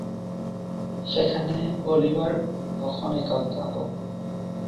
সেখানে অলিভার তখন এক অধ্যাপক।